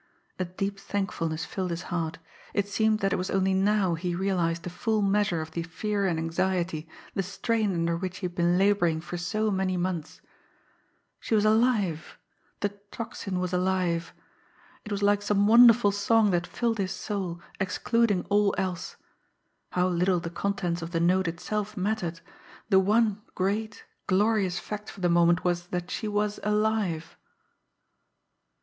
A deep thankfulness filled his heart; it seemed that it was only now he realised the full measure of the fear and anxiety, the strain under which he had been labouring for so many months. She was alive the Tocsin was alive. It was like some wonderful song that filled his soul, excluding all else. How little the contents of the note itself mattered the one great, glorious fact for the moment was that she was alive!